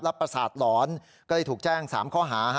ประสาทหลอนก็เลยถูกแจ้ง๓ข้อหา